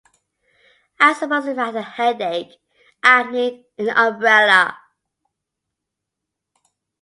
I suppose if I had a headache, I'd need an umbrella.